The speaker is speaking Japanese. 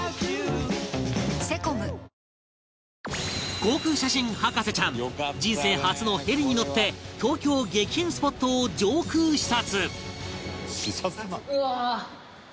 航空写真博士ちゃん人生初のヘリに乗って東京激変スポットを上空視察！